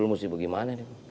dul mesti bagaimana nih